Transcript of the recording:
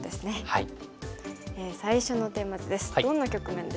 はい。